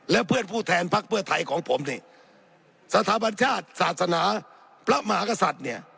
และเพื่อนผู้แทนพักเพื่อไทยของผมนี่สถาบันชาติศาสนาพระมหากษัตริย์เนี่ย